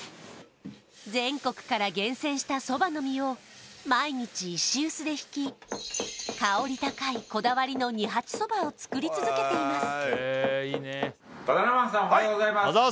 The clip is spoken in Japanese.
全国から厳選したそばの実を毎日石臼でひき香り高いこだわりの二八そばを作り続けています